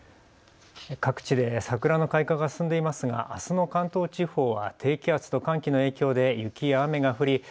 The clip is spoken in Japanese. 各地で桜の開花が進んでいますがあすの関東地方は低気圧と寒気の影響で雪や雨が降り